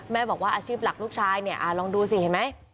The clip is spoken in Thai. บอกว่าอาชีพหลักลูกชายเนี่ยลองดูสิเห็นไหม